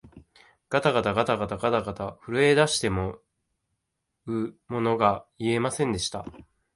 がたがたがたがた、震えだしてもうものが言えませんでした